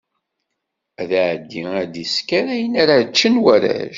Ad iɛeddi ad isker ayen ara ččen warrac.